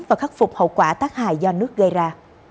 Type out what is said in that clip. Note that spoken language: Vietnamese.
và khắc phục hậu quả tác hại do nước gây ra